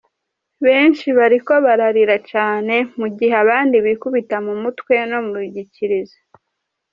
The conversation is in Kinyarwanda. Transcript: Benshi bariko bararira cane mu gihe abandi bikubita mu mutwe no mu gikiriza.